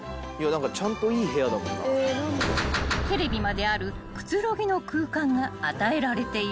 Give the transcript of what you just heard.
［テレビまであるくつろぎの空間が与えられている］